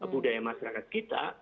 budaya masyarakat kita